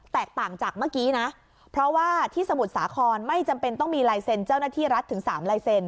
แตกต่างจากเมื่อกี้นะเพราะว่าที่สมุทรสาครไม่จำเป็นต้องมีลายเซ็นต์เจ้าหน้าที่รัฐถึงสามลายเซ็นต